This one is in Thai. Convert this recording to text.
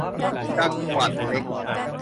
จังหวัดเล็ก